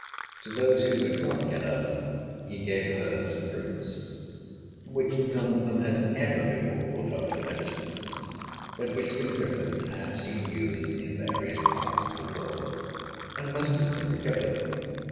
To those who could not get up, he gave herbs and roots, which none of them had ever before thought of as medicines, but which the Griffin had seen used in various parts of the world; and most of them recovered.